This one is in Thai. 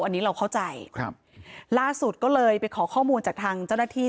อันนี้เราเข้าใจครับล่าสุดก็เลยไปขอข้อมูลจากทางเจ้าหน้าที่